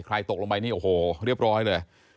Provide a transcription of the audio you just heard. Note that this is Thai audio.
ตกลงไปนี่โอ้โหเรียบร้อยเลย